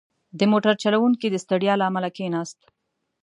• د موټر چلوونکی د ستړیا له امله کښېناست.